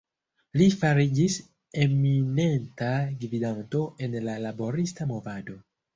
Li fariĝis eminenta gvidanto en la laborista movado.